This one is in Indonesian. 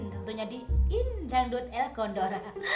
tentunya di indang dut el condor